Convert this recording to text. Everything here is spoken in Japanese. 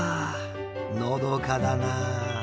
のどかだなあ！